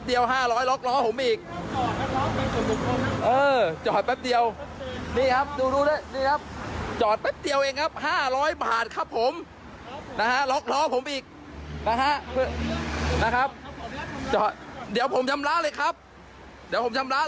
ด้วยฝั่งหลายส่วนเดี๋ยวผมจะโอนให้